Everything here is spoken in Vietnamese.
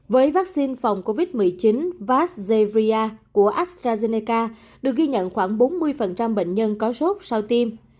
với vaccine phòng covid một mươi chín vasria của astrazeneca được ghi nhận khoảng bốn mươi bệnh nhân có sốt sau tiêm